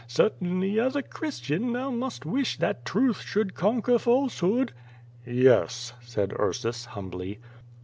Certainly as a Christian thou must wish that truth should conquer falsehood/^ "Yes/" said Ursus, humbly.